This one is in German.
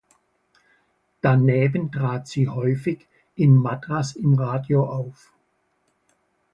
Daneben trat sie häufig in Madras im Radio auf.